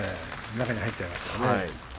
中に入っちゃいましたね。